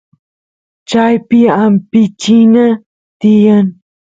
chaypi ampichina tiyan